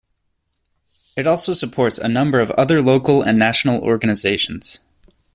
It also supports a number of other local and national organizations.